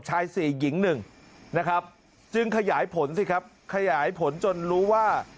ชายสี่หญิงหนึ่งนะครับจึงขยายผลสิครับขยายผลจนรู้ว่า